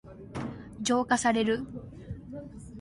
浄化される。